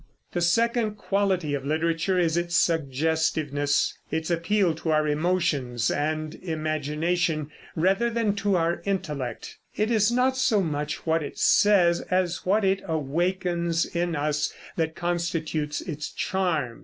The second quality of literature is its suggestiveness, its appeal to our emotions and imagination rather than to our intellect. It is not so much what it says as what it awakens in us that constitutes its charm.